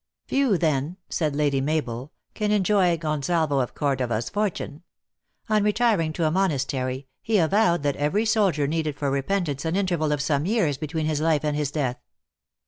"Few, then," said Lady Mabel, "can enjoy Gon salvo of Cordova s fortune. On retiring to a monas tery, he avowed that every soldier needed for repent ance an interval of some years between his life and his death."